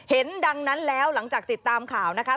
ดังนั้นแล้วหลังจากติดตามข่าวนะคะ